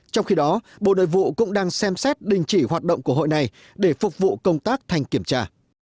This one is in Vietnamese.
trong khi đó bộ nội vụ cũng đang xem xét đình chỉ hoạt động của hội này để phục vụ công tác thanh kiểm tra